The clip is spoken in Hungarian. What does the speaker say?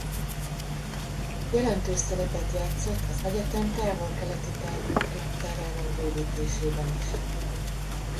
Jelentős szerepet játszott az egyetem távok-keleti tárgyú könyvtárának bővítésében is.